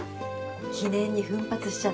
記念に奮発しちゃった。